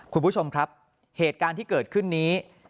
คุณผู้ชมครับเหตุการณ์ที่เกิดขึ้นนี้